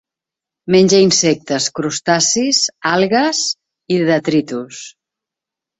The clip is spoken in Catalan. Menja insectes, crustacis, algues i detritus.